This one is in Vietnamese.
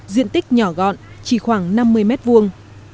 diện tích nhỏ gọn chỉ khoảng năm mươi mét vuông